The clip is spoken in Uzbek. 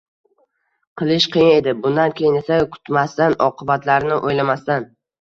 qilish qiyin edi. Bundan keyin esa kutmasdan, oqibatlarini o‘ylamasdan